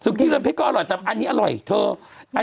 กรอบเลยอะ